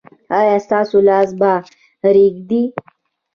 ایا ستاسو لاس به ریږدي؟